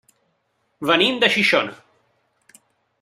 Venim de Xixona.